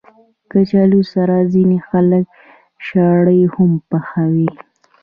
کچالو سره ځینې خلک شړې هم پخوي